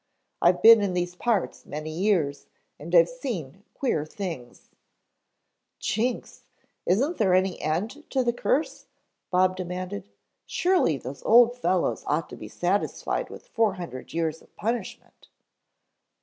"I've been in these parts many years and I've seen queer things " "Jinks, isn't there any end to the curse?" Bob demanded. "Surely those old fellows ought to be satisfied with four hundred years of punishment."